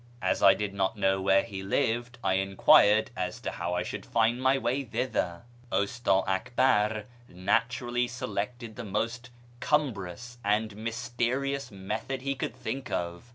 As I did not know where he lived, I enquired as to how I should find my way thither. Usta Akbar naturally selected the most cumbrous and mysterious method he could think of.